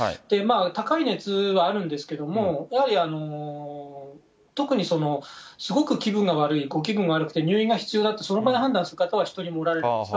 高い熱はあるんですけれども、やはり、特にすごく気分が悪い、ご気分が悪くて入院が必要だってその場で判断する方は一人もおられないです。